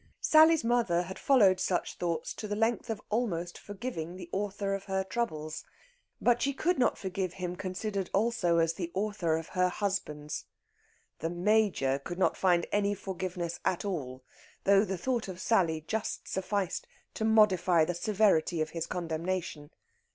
Sally's mother had followed such thoughts to the length of almost forgiving the author of her troubles. But she could not forgive him considered also as the author of her husband's. The Major could not find any forgiveness at all, though the thought of Sally just sufficed to modify the severity of his condemnation.